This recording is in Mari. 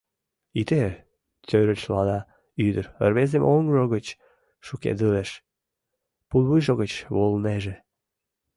Ите... — торешлана ӱдыр, рвезым оҥжо гыч шӱкедылеш, пулвуйжо гыч волынеже.